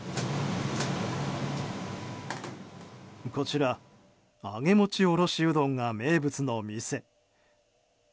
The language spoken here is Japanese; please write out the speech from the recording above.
こちら揚げもちおろしうどんが名物の店。